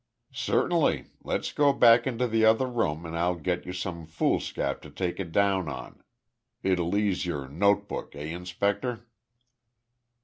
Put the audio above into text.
"Certainly. Let's go back into the other room and I'll get you some foolscap to take it down on. It'll ease your notebook eh, inspector?"